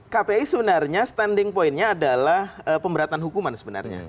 kpi sebenarnya standing pointnya adalah pemberatan hukuman sebenarnya